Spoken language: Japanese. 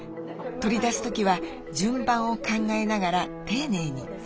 取り出す時は順番を考えながら丁寧に。